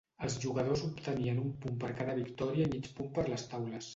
Els jugadors obtenien un punt per cada victòria i mig punt per les taules.